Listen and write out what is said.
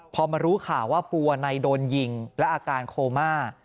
พอมารู้ข่าวว่าภูวะในโดนยิงและอาการโคม่า